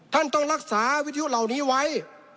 ต้องรักษาวิทยุเหล่านี้ไว้